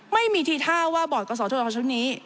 ไม่มีธีธาว่าบอร์ดกศชนี้